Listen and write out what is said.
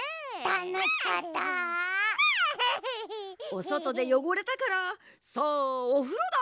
おそとでよごれたからさあおふろだ！